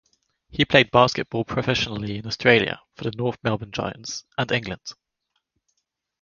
He played basketball professionally in Australia (for the North Melbourne Giants) and England.